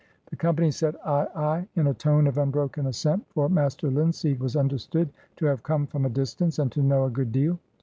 The company said, "Ay, ay!" in a tone of unbroken assent, for Master Linseed was understood to have "come from a distance," and to "know a good deal."